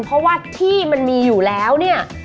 เพราะว่าที่มันมีอยู่แล้วเนี่ย